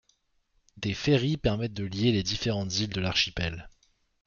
Des ferrys permettent de lier les différentes îles de l'archipel.